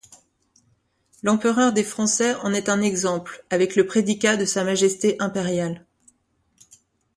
L'empereur des Français en est un exemple avec le prédicat de Sa Majesté impériale.